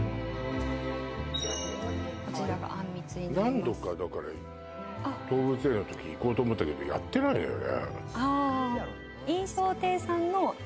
何度か動物園のとき行こうと思ったけどやってないのよね。